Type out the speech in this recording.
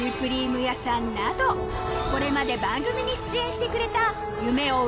これまで番組に出演してくれた夢を追う